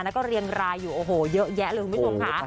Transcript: แล้วก็เรียงรายอยู่โอ้โหเยอะแยะเลยคุณผู้ชมค่ะ